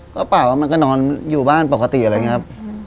ก็เปล่าว่ามันก็นอนอยู่บ้านปกติอะไรอย่างนี้ครับ